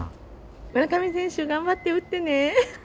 村上選手、頑張って打ってね！